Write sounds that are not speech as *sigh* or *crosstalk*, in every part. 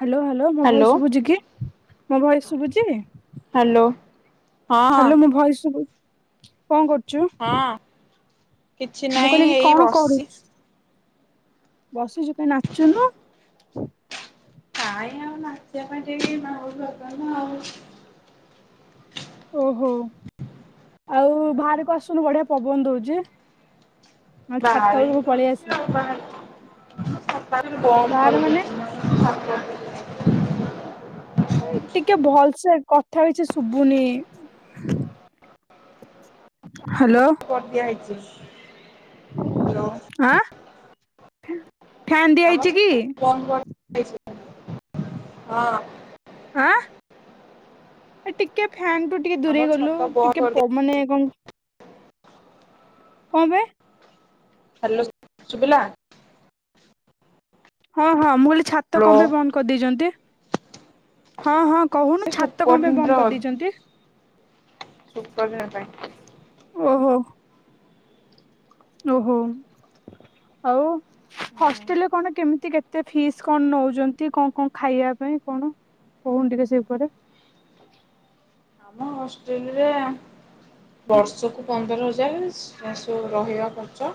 Hello hello ମୋ hello voice ଶୁଭୁଚି କି ମୋ ଭଏସ୍ ଶୁଭୁଚି। ହ୍ୟାଲୋ। ହଁ ହଁ ହାଲୋ ମୋ ଭଏସ୍ ଶୁବୁ କଣ କରୁଚୁ? ହଁ କିଛି ନାଇଁ ଏଇ ବସଚି। ବସିଚୁ କାଇଁ ନାଚୁନୁ। କାଇଁ ଆଉ ନାଚିବା ପାଇଁ ଟିକେ *unintelligible* ଦରକାର ନା ଆଉ। ଓହୋ ଆଉ ଭାଆରକୁ ଆସୁନୁ ବଢିଆ ପବନ ଦଉଚି। ବାହା *unintelligible* ଆଉ ବାହାରେ। *inaudible* ବାହାରେ ମାନେ ତା କିଛି ଶୁବୁନି। କରଦିଆ ହେଇଚି। ହାଲୋ। ଆଁ ଫ୍ୟାନ ଆ ଦିଆହେଇଛି କି ହଁ ଆଁ ଏ ଟିକେ ଫ୍ୟାନ୍ ଟୁ ଟିକେ ଆମ ଦୂରେଇ ଗଲୁ ଛାତ ବନ୍ଦ ଟିକେ କରିଦିଆ ମାନେ କଣ କଣ ବେ। ହ୍ୟାଲୋ ସୁବିଲା? ହଁ ହଁ ମୁଁ ହେଲି ଛାତ ହ୍ୟାଲୋ କଣ ପାଇଁ ବନ୍ଦ କରିଦେଇଛନ୍ତି? ହଁ ହଁ କହୁନୁ ସେ ଛାତ କଣ ପାଇଁ ବନ୍ଦ ସୁପରଟେଣ୍ଡର କରିଦେଇଛନ୍ତି? ସୂପ ଦିନ ପାଇଁ। ଓହୋ। ଓହୋ ଆଉ ହୁଁ ହଷ୍ଟେଲରେ କଣ କେମିତି କେତ? ତେ ଫିସ୍ କଣ ନଉଛନ୍ତି କଣ କଣ ଖାଇବା ପାଇଁ କଣ କହୁନ ଟିକେ ସେ ଉପରେ? ଆମ ହଷ୍ଟେଲରେ ବର୍ଷକୁ ପନ୍ଦର ହଜାର ସୋ ରହିବା ଖର୍ଚ୍ଚ।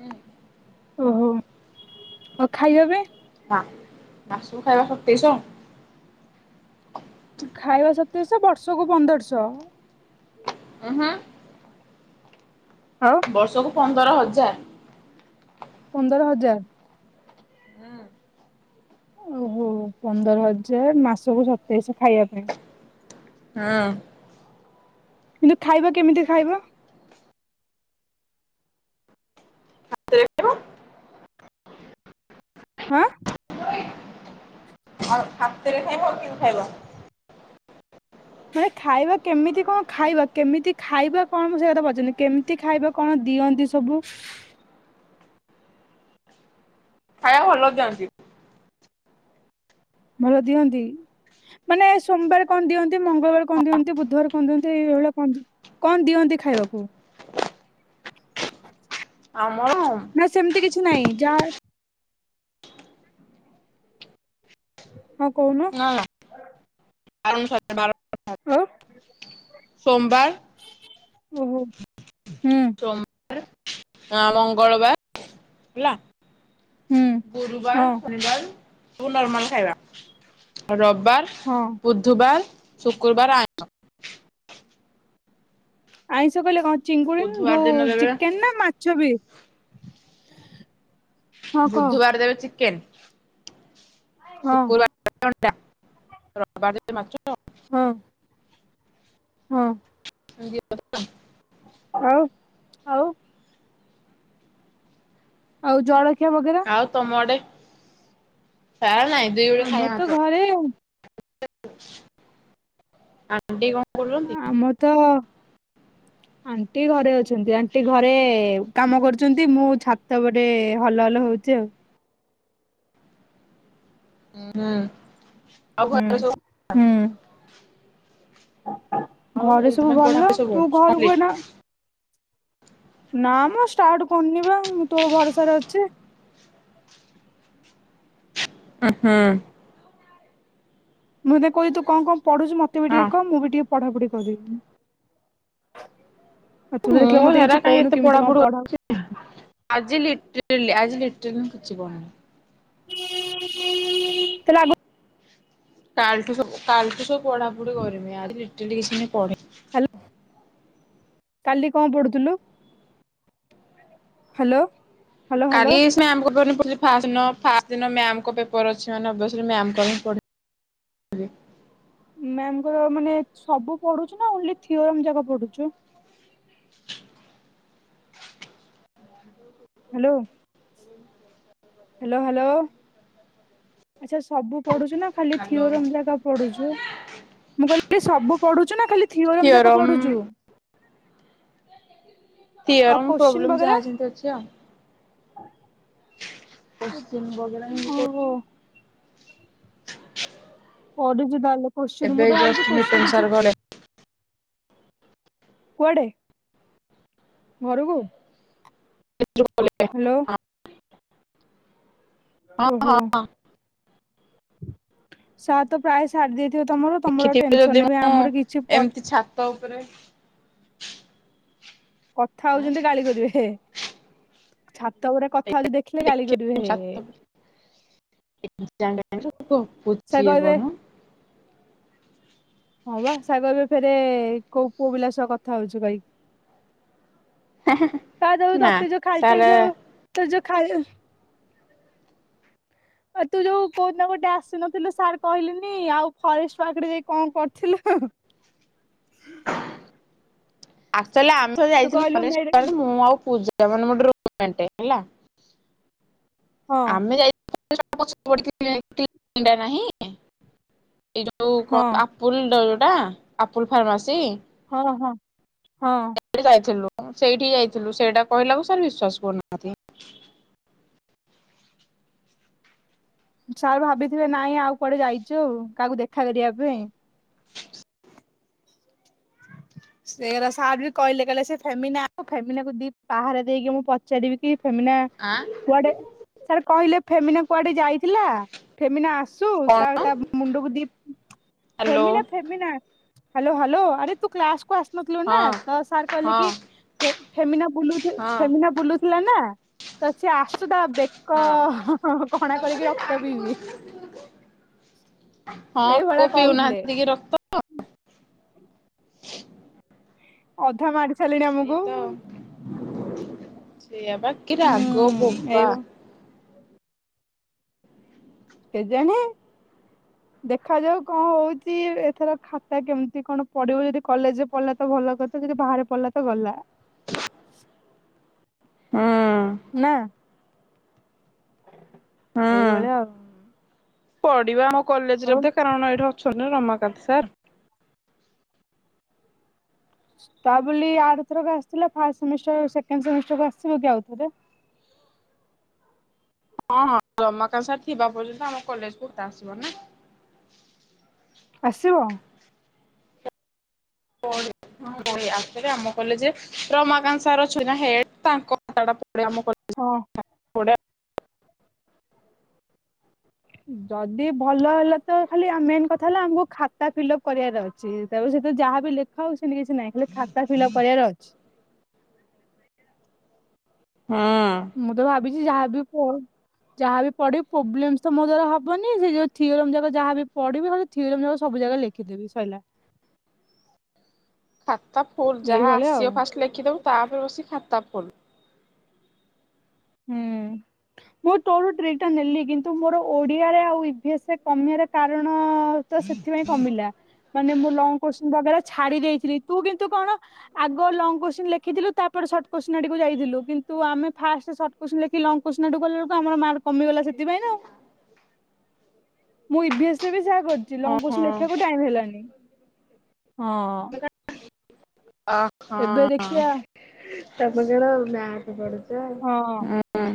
ହଁ। ଓହୋ ଆଉ ଖାଇବା ପାଇଁ। ନା ମାସୁ ଖାଇବା ଶତେଇଶ। ଖାଇବା ସତ ସେ ବର୍ଷକୁୁ ପନ୍ଦରଶହ। ଓ ହୁ। ଆଉ ବର୍ଷକୁ ପନ୍ଦର ହଜାର। ପନ୍ଦର ହଜାର। ଓହୋ ପନ୍ଦର ହଜାର ମାସକୁୁ ସତେଇଶ ଖାଇବା ପାଇଁ। ହଁ। କିନ୍ତୁ ଖାଇବା କେମିତି ଖାଇବ? ଖାଇବ ଆଁ? ଆଉ ହାତରେ ଖାଇବ କେନ୍ତୀ ଖାଇବ ମାନେ ଖାଇବା କେମିତି କଣ ଖାଇବା କେମିତି ଖାଇବା କଣ ସେ କଥା ମୁଁ ପଚାରୁନି କେମିତି ଖାଇବ କଣ? ଦିଅନ୍ତି ସବୁ। ଖାଇବା ଭଲ ଦିଅନ୍ତି। ଭଲ ଦିଅନ୍ତି ମାନେ ସୋମବାର କଣ ଦିଅନ୍ତି ମଙ୍ଗଳବାର କଣ ଦିଅନ୍ତି ବୁଧବାର କଣ ଦିଅନ୍ ଏଇ ଭଳିଆ କଣ କଣ ଦିଅନ୍ତି ଖାଇବାକୁ? ଆମର। ନାଇଁ ଯାହା ହଁ କୋହୁନ। ନା *unintelligible* ହୁଁ। ସୋମବାର ଓହୋ ହୁଁ। *unintelligible* ମଙ୍ଗଳବା ହେଲା ହୁଁ। ଗୁରୁବାର ହଁ ଶନିବାର ସବୁ ନର୍ମାଲ ଖାଇବା। ରବାର ହଁ ବୁଧୁବାର ଶୁକ୍ରୁବାର ଆଇସ। *inaudible* ଆଇଁଷ କହିଲେ କଣ ଚିଙ୍ଗୁଡିନ୍ ବୁଧବାର ଯୋଉ ଦିନ ଦେବେ ଚିକେନ ନା ମାଛ ବି? ହଁ କହ ବୁଧୁବାର ଦେବେ ଚିକେନ ହଁ ଶୁକ୍ରୁବାର *unintelligible* *unintelligible* ହଁ ହଁ। *unintelligible* ହଉ ଆଉ। ଆଉ ଜଳ। ଆଉ ତମ ଆଡେ ପ୍ରାୟ ନାଇଁ ଦୁଇ ଓଳି ଆମର ଖାଇବା ତ ମାତ୍ର। ଘରେ *unintelligible* ଆମର ତ ଆଣ୍ଟି ଘରେ ଅଛନ୍ତି, ଆଣ୍ଟି ଘରେ କାମ କରୁଚନ୍ତି। ମୁଁ ଛାତ ଉପରେ ହଲ ହଲ ହଉ ଚି ଆଉ। ହୁଁ ଆଉ ହୁଁ। ଘରେ ସବୁ *unintelligible* ହୁଁ ଆଉ ଘରେ ସବୁ ଏକ୍ଜାମ ଭଲ, ପଢାପଢି ସବୁ ତୁ ଘରକୁୁ କମ୍ପ୍ଲିଟ୍? ଏଇନା ନା ମ ଷ୍ଟାର୍ଟ କରିନି ବା, ମୁଁ ତୋ ଭରସାରେ ଅଛି। ଉ ହୁଁ ମୁଁ ଏବେ କହିବି ତୁ କଣ କଣ ପଢୁଚୁ ମତେ ବି ହଁ ଟିକେ କହ ମୁଁ ବି ଟିକେ ପଢାପଢି କରିବି। ଆଉ ତୁ ତ ଦେଖିଲେ ମୁଁ ମତେ ହେରା କିଛି କାହିଁ ଏତେ କହୁନୁ କେମିତି ପଢାପଢି କଣ ପଢ ଆଜି ଲିଟରାଲି ଆଜି ଲିଟରାଲି ମୁଁ କିଛି ପଢିନି। ତ ଲାଗୁ କାଲଠୁ ସବୁ କାଲଠୁ ସବୁ ପଢାପଢି କରିମି ଆଜି ଲିଟରାଲି କିଛି ମୁଁ ପଢିନି। ହାଲୋ କାଲି କଣ ପଢୁଥୁଲୁ? ହାଲୋ। ହାଲୋ ହାଲୋ କାଲି ସିନା ଆମ *unintelligible* ଫାଷ୍ଟ୍ ଦିନ, ଫାଷ୍ଟ୍ ଦିନ ମ୍ୟାମ୍ ଙ୍କ ପେପର ଅଛିମାନେ ଓବିଅସ୍ ଲି ମ୍ଯାମ୍ ଙ୍କର ହି *inaudible* ମ୍ୟାମ୍ ଙ୍କର ମାନେ ସବୁ ପଢୁଚୁ ନା ଓନ୍ଲି ଥିଓରୀ ଯାକ ଯାକ ପଢୁୁଛୁ। ହାଲୋ। ହାଲୋ ହାଲୋ, ଆଚ୍ଛା ସବୁ ପଢୁଛୁ ନା? ଖାଲି ହ୍ୟାଲୋ ଥିଓରମ୍ ଯାକ ପଢୁଛୁ। ମୁଁ କହିଲି ସବୁ ପଢୁଚୁ ନା ଖାଲି ଥିଓରମ୍ ଯାକ ଥିଓରମ ପଢୁଛୁ? ଆଉ ଥିଓରମ୍ କୋଶ୍ଚିନ୍ ପ୍ରୋବ୍ଲେମ ବଗେରା? ଯାହା ଯେମତି ଅଛି ଆଉ ପଶ୍ଚିମ ବଗଲା ମୁ ଓହୋ କରୁଚି। ପରେ ଯୁଦା ଲ କୋତ୍ସିନ୍ ଏବେ ମୁତ ଜଷ୍ଟ ଭାବିଚି ମିଟନ କୋତ୍ସିନ୍ ସାର୍ କିଛି ଗଲେ କୁଆଡ଼େ? ଘରକୁ ହାଲୋ *unintelligible* ହଁ ଓହୋ। ସାର୍ ତ ପ୍ରାୟ ସାଡି ଦେଇଥିବେ ତମର ତମର ଆ ଦେଖିଥିବେ ଟେନସନ ନେବେ ଆମର କିଛି ପ ପରେ କଥା ହଉଚନ୍ତି ଗାଳି କରିବେ। ଛାତ ଉପରେ କଥା ହଉଚି ଦେଖିଲେ ଗାଳି କରିବେ ଦେଖିଥିବେ ହେ। ଛାତ ଆକୁ ପୁଚିଏ କଣ? ହଁ ବା ଶାଗରର ଫେରେ କୋଉ ପୁଅ ପିଲା ସହ କଥା ହଉଚୁ କହିକି ତା ଯୋଉ ନା ତତେ ଯୋଉ ଖାଲିଟା ସାରେ ଯୋଉ ତ ଯୋଉ ଖାଇଜ ଆଉ ତୁ ଯୋଉ କୋଉ ଦିନ ଗୋଟେ ଆସିନଥିଲୁ ସାର୍ କହିଲେନି ଆଉ ଫରେଷ୍ଟ ପାର୍କରେ ଯାଇ କଣ କରଥିଲୁ? *inaudible* ଆକଚୁଆଲି ଆର ଥରେ ଯାଇଥିଲୁ କହିଲୁ ମେଡ ଫରେଷ୍ଟ ପାର୍କ, ମୁଁ ଆଉ ପୂଜା ଯମନ ମୁଡ ରୁ ଘଣ୍ଟେ ହେଲା। ହଁ ଆମେ ଯାଇ *unintelligible* ନାହିଁ। ଏଇ ଯଉ ହଁ କଣ ଆପୁଲ ଟା ଯଉଟା ଆପୁଲ ଫାର୍ମାସି ହଁ ହଁ ହଁ। ସେଇଠିକି ଯାଇଥିଲୁ ସେଇଟା କହିଲାକୁ ସାର ବିଶ୍ଵାସ କରୁନାହାନ୍ତି। ସାର୍ ଭାବିଥିବେ ନାଇଁ ଆଉ କୁଆଡେ ଯାଇଚୁ ଆ କାହାକୁ ଦେଖା କରିବା ପାଇଁ। *inaudible* *inaudible* ସେଗୁଡା ସାର୍ ବି କହିଲେ କହିଲେ ସେ ଫେମିନା ଫେମିନି କୁ ଦି ପାହାର ଦେଇକି ମୁଁ ପଚାରିବି କି ସେମିନା ଆଁ କୁଆଡ଼େ ସାର୍ କହିଲେ ଫେମିନା କୁଆଡ଼େ ଯାଇଥିଲା ଫେମିନା ଆସୁ କଣ ତାର ତା ମୁଣ୍ଡକୁ ଦି hello Femina Femina hello hello ଆରେ ତୁ କ୍ଲାସ୍ କୁ ଆସିନଥିଲୁ ନାଁ ହଁ ତ ସାର୍ କହିଲେ ହଁ କି ଫେ ଫେମିନା ବୁଲୁଥୁ ହଁ ଫେମିନା ବୁଲୁଥୁଲା ନା। ତ ସେ ଆସୁ ତା ବେକ ହଁ କଣା କରିକି ରକ୍ତ ପିଇବି। ହଁ କୋଉ ଏଇଭଳିଆ କହୁଥିଲେ ପିଉନାହାନ୍ତି କି ରକ୍ତ? ଅଧା ମାଡ଼୍ ସେଇ ତ। ସେଇଆ ପା କି ହୁଁ ରାଗ ବୋପା। ଏଇ କେଜାଣେ? ଦେଖାଯାଉ କଁ ହଉଚି ଏଥର ଖାତା କେମତି କଣ ପଡ଼ିବ ଯଦି କଲେଜ୍ ରେ ପଡ଼ିଲା ତ ଭଲ କଥା ଯଦି ବାହାରେ ପଡ଼ିଲା ତ ଗଲା। ହୁଁ ନାଁ। ଏ ଭଳିଆ ଆଉ। ପଡ଼ିବ ଆମ କଲେଜ୍ ରେ ଆଉ ଧେ କାରଣ ଏଇଠି ଅଛନ୍ତି ନାଁ ରମାକାନ୍ତ ସାର୍। ତା ବୋଲି ଆର ଥରକ ଆସିଥିଲା ଫାଷ୍ଟ୍ ସେମିଷ୍ଟାର୍ ସେକଣ୍ଡ୍ ସେମିଷ୍ଟାର୍ କୁ ଆସିିବ କି ଆଉ ଥରେ? ହଁ ହଁ ରମାକାନ୍ତ ସାର୍ ଥିବା ପର୍ଯ୍ୟନ୍ତ ଆମ କଲେଜ୍ କୁ ତା ଆସିବ ନାଁ। ଆସିବ? ପଡ଼େ। ହଁ ବହେ ଆସେ ବେ ଆମ କଲେଜେ ରମାକାନ୍ତ ସାର୍ ଅଛନ୍ତି ନାଁ ହେଡ଼୍ ତାଙ୍କ *unintelligible* ପଡ଼େ ଆମ କ ହଁ *unintelligible* ପଡ଼େ ଆ ଯଦି ଭଲ ହେଲା ତ ଖାଲି ଆ ମେନ୍ କଥା ହେଲା ଆମୁକୁ ଖାତା ଫିଲ ଅପ୍ କରିବାର ଅଛି ତା ପ ସେ ତ ଯାହା ବିି ଲେଖା ହଉ ସେନ୍ତି କିଛି ନାଇଁ ଖାଲି ଖାତା ଫିଲ୍ ଅପ୍ କରିବାର ଅଛି। ହୁଁ ମୁଁ ତ ଭାବିଚି ଯାହା ବି କୋ ଯାହା ବି ପଢ଼ିବି ପୋବ୍ଲେମସ୍ ତ ମୋ ଦ୍ଵାରା ହବନି ସେ ଯୋଉ ଥିଓରମ୍ ଯାକ ଯାହା ବି ପଢ଼ିବି ଖାଲି ଥିଓରମ୍ ଯାକ ସ ଉ ଜାଗା ଲେଖିଦେବି ସଇଲା। ଖାତା ଫୁଲ୍ ଯାହା ଏଇଭଳିଆ ଆଉ ଆସିବ ଫାଷ୍ଟ୍ ଲେଖିଦବୁ ତାପରେ ବସି ଖାତା ଫୁଲ୍। ହୁଁ ମୁଁ ତୋର ଟ୍ରିକ୍ ଟା ନେଲି କିନ୍ତୁ ମୋର ଓଡ଼ିଆରେ ଆଉ ଇ ଭି ଏସ୍ ରେ କମିଆରେ କାରଣ ଅ ତ ସେଥିପାଇଁ କମିଲା ମାନେ ମୁଁ ଲଙ୍ଗ୍ କୋଶ୍ଚିନ୍ ବଗେରା ଛାଡ଼ି ଦେଇଥିଲି ତୁ କିନ୍ତୁ କଣ ଆଗ ଲଙ୍ଗ୍ କୋଶ୍ଚିନ୍ ଲେଖିଥିଲୁ ତାପରେ ସର୍ଟ କୋଶ୍ଚିନ୍ ଆଡି଼କୁ ଯାଇଥିଲୁ କି ତୁ ଆମେ ଫାଷ୍ଟେ ସଟ୍ କୋଶ୍ଚିନ୍ ଲେଖି ଲଙ୍ଗ୍ କୋଶ୍ଚିନ୍ ଆଡ଼ୁ ଗଲା ଅଳୁକୁ ଆମର ମାର୍କ କମିଗଲା ସେଥିପାଇଁ ନାଁ ଆଉ। ମୁଁ ଇ ଭି ଏସ ରେ ବି ଯାହା କ ଚି ଲଙ୍ଗ୍ ଓହୋ କୋଶ୍ଚିନ୍ ଲେଖିବାକୁ ଟାଇମ୍ ହେଲାନି ହଁ। ଅ ଏବେ ହଁ ଦେଖିବା ତମେ କଣ ମ୍ୟାଥ୍ ପଡ଼ ଚ ହଁ ହଁ।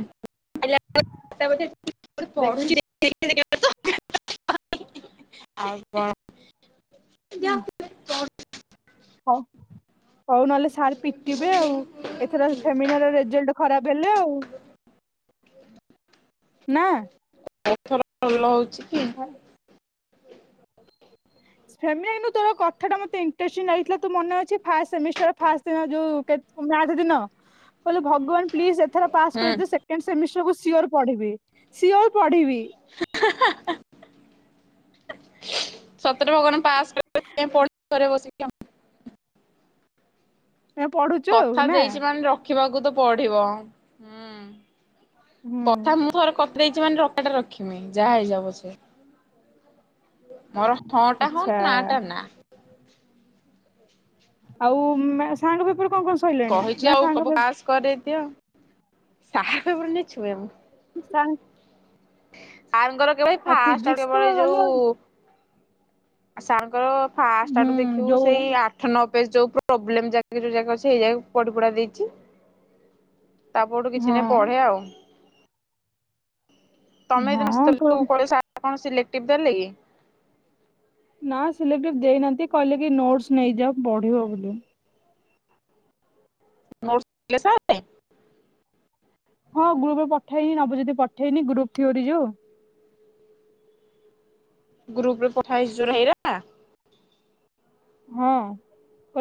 *inaudible* ଓଟେ ପଢ଼ୁଚି ଦେ ଦେଖିନି କେବେ ତ। *inaudible* ଆଉ କଣ ହଉ ହଉ ନହେଲେ ସାର୍ ପିଟିବେ ଆଉ ଏଥର ଫେମିନାର ରେଜଲ୍ଟ୍ ଖରା *inaudible* ନାଁ? ଏଥର ଲ ହଁ। ଫେମିନା କିନ୍ତୁ ତୋର କଥାଟା ମତେ ଇଣ୍ଟରେଷ୍ଟିଂ ନାଗିଥିଲା ତୁ ମନେ ଅଛି ଫାଷ୍ଟ୍ ସେମିଷ୍ଟାର୍ ଫାଷ୍ଟ୍ ଦିନ ଯୋଉ କେ ମ୍ୟା ଆଥ୍ ଦିନ କହିଲୁ ଭଗବାନ୍ ପ୍ଲିଜ୍ ଏଥର ପାସ୍ ହୁଁ କରେଇଦିଅ ସେକେଣ୍ଡ୍ ସେମିଷ୍ଟାର୍ କୁ ସିଓର୍ ପଢ଼ିବି ସିଓର୍ ପଢ଼ିବି। ସତରେ ଭଗବାନ୍ ପାସ୍ *inaudible* ପାଇଁ ପଢ଼ିଲି ଘରେ ବସିକି ଆଉ। ଆମେ ପଢୁଛୁ ଆଉ କଥା ନା ଦେଇଚି ମାନେ ର ରଖିବାକୁ ତ ପଡ଼ିବ ହୁଁ ହୁଁ କଥା ମୁଁ ଥରେ କ ଦେଇଚି ମାନେ ରକାଟା ରଖିମି ଯାହା ହେଇଯାଉ ପଛେ। ମୋର ହଁ ଟା ହଁ ଆଚ୍ଛା। ନାଟା ନାଁ। ଆଉ ମା ସାଙ୍ଗପେପର୍ କହିଛି ଆଉ କବୁ ପାସ୍ କରେଦିଅ ସାହା ପନି ଛୁ ମୁଁ। ସାର୍ ସାରଙ୍କ ର କେବେ ଆଉ ଫାଷ୍ଟ ଫିଜିକ୍ସ ତ କେବଳ ଗଲା ଯୋଉ ସାରଙ୍କର ଫାଷ୍ଟ ହୁଁ ଆଡୁ ଦେଖିବୁ ଯୋଉ ସେଇ ଆଠ ନ ପେଜ ଯାଉ ପ୍ରୋବେଲ୍ମ ଯୋଉ ରିପୋର୍ଟ ଗୁଡ଼ା ଦେଇଛି। ତାପଠୁ କିଛି ହଁ ନହିଁ ପଢେ ଆଉ। ତମେ ହେଦିନ ହଁ ତୋ ସ୍ତିଲୁ କଣ ସର୍ କଣ ସିଲେକ୍ଟିଭ ଦେଲେ କି? ନା ସିଲେକ୍ଟିଭି ଦେଇନାହାନ୍ତି କହିଲେ କି ନୋଟସ୍ ନେଇଯା ପଢିବ ବୋଲି। *unintelligible* ପାଇଁ। ହଁ ଗ୍ରୁପରେ ପଠେଇନି ନବଜଦ ପଠେଇନି ଗ୍ରୁପ ଥିଓରି ଯୋଉ। ଗ୍ରୁପରେ ପଠାଇ ଜରା ହେଇରା। ହଁ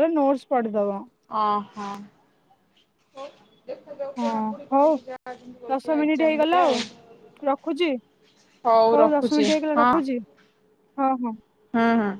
ଓ ନୋଟସ ପଢିଦବ। ଓ ହୋ। ଦେଖାଯାଉ ହଁ ପଢା ପୁଢ଼ି ହଉ କରିକିଯାହା ଯେମିତି ଦଶ କରିକି ମିନିଟ୍ ଏକ୍ସଜାମ୍ ହେଇଗଲା ଦବା ଆଉ ରଖୁଛି ଆଉ। ହଉ ଦଶ ମିନିଟ୍ ରଖୁଛି ହେଇଗଲା ହଁ। ରଖୁଛି ହଁ ହଁ। ହୁଁ ହୁଁ।